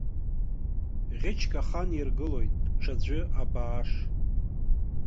Ӷьычк ахан иргылоит, ҽаӡәы абааш.